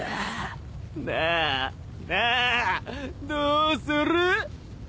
なあなあどうする？